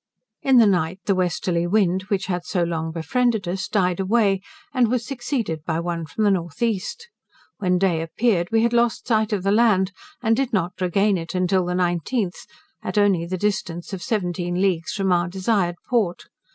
In the night the westerly wind, which had so long befriended us, died away, and was succeeded by one from the north east. When day appeared we had lost sight of the land, and did not regain it until the 19th, at only the distance of 17 leagues from our desired port.